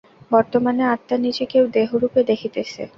বর্তমানে আত্মা নিজেকে দেহরূপে দেখিতেছে।